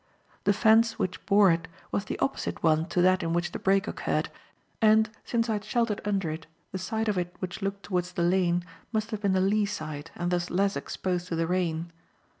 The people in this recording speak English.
The fence which bore it was the opposite one to that in which the break occurred, and, since I had sheltered under it, the side of it which looked towards the lane must have been the lee side and thus less exposed to the rain.